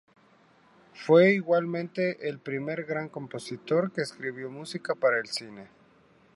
Fue igualmente el primer gran compositor que escribió música para el cine.